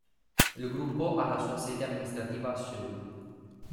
Il gruppo ha la sua sede amministrativa a Seul.